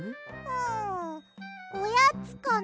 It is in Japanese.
んおやつかな。